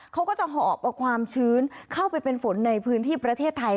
เขาก็จะหอบเอาความชื้นเข้าไปเป็นฝนในพื้นที่ประเทศไทย